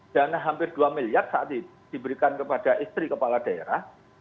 dana hampir dua miliar saat itu diberikan kepada istri kepala daerah